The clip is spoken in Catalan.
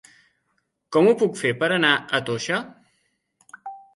Com ho puc fer per anar a Toixa?